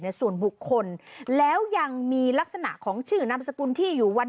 ส่วนบุคคลแล้วยังมีลักษณะของชื่อนามสกุลที่อยู่วัน